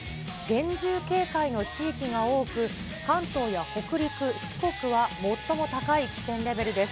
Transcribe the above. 厳重警戒の地域が多く、関東や北陸、四国は最も高い危険レベルです。